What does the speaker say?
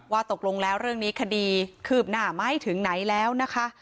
ตกลงแล้วเรื่องนี้คดีคืบหน้าไหมถึงไหนแล้วนะคะ